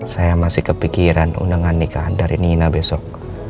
saya masih kepikiran undangan nikahan dari nina besok